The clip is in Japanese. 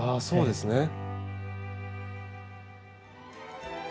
そうですね。